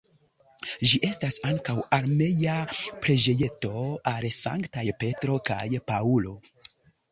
Ĝi estas ankaŭ armea preĝejeto al sanktaj Petro kaj Paŭlo.